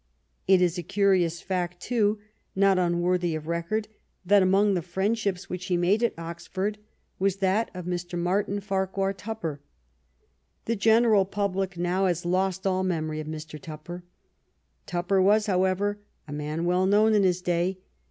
It is a curious fact, too, not unworthy of record, that among the friendships which he made at Oxford was that of Mr. Martin Farquhar Tupper. The general public now has lost all memory of Mr. Tupper. Tupper was, however, a man well known in his day.